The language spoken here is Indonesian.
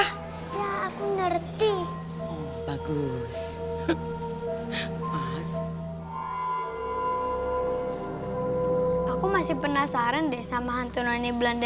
hendrita kamu ntar ngerti gak yang tadi mereka ngomongin apa